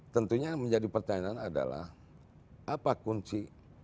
tentunya yang menjadi pertanyaan adalah apa kunci